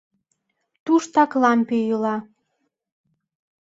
Туштак лампе йӱла.